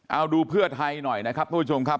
เอาดูเพื่อไทยหน่อยนะครับทุกผู้ชมครับ